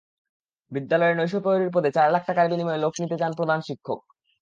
বিদ্যালয়ের নৈশপ্রহরী পদে চার লাখ টাকার বিনিময়ে লোক নিতে চান প্রধান শিক্ষক।